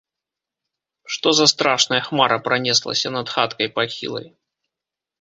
Што за страшная хмара пранеслася над хаткай пахілай?